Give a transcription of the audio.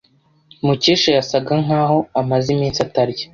Mukesha yasaga nkaho amaze iminsi atarya.